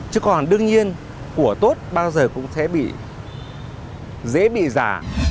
chứ còn đương nhiên của tốt bao giờ cũng sẽ bị dễ bị giả